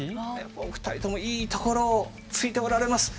お二人ともいいところをついておられます。